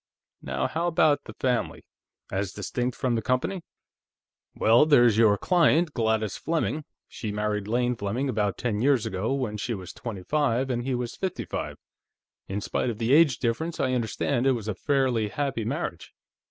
Now, how about the family, as distinct from the company?" "Well, there's your client, Gladys Fleming. She married Lane Fleming about ten years ago, when she was twenty five and he was fifty five. In spite of the age difference, I understand it was a fairly happy marriage.